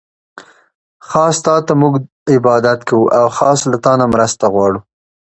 خاص تاته مونږ عبادت کوو، او خاص له نه مرسته غواړو